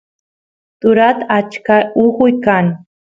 turat achka ujuy kan